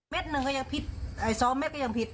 ๑เมตรหนึ่งก็ยังพิษ๒เมตรก็ยังพิษ